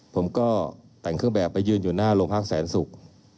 ผมก็แต่งเครื่องแบบไปยืนอยู่หน้าโรงพักแสนศุกร์